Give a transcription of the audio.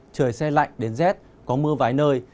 trời xe lạnh đến rét có mưa vái nơi